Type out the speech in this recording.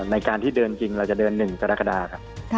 ในการที่เดินจริงเราจะเดิน๑กรกฎาครับ